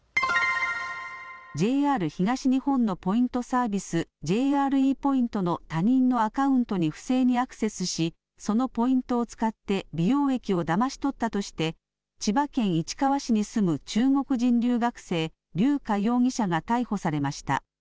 ＪＲ東日本のポイントサービス、ＪＲＥポイントの他人のアカウントに不正にアクセスしそのポイントを使って美容液をだまし取ったとして千葉県市川市に住む中国人留学生、劉佳容疑者が逮捕されました。